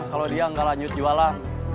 kalau dia nggak lanjut jualan